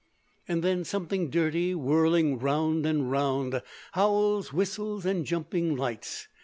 And then something dirty whirling round and round, howls, whistles, and jumping lights.